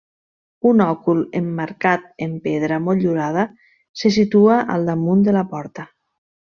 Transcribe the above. Un òcul emmarcat en pedra motllurada se situa al damunt de la porta.